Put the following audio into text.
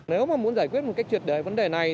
nếu mà muốn giải quyết một cách triệt đề vấn đề này